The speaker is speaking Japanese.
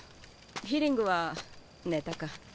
ヒリングは寝たか？